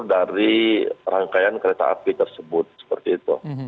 dari rangkaian kereta api tersebut seperti itu